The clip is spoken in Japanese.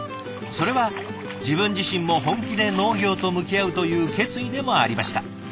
それは自分自身も本気で農業と向き合うという決意でもありました。